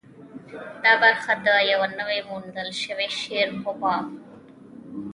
دا برخه د یوه نوي موندل شوي شعر په باب وه.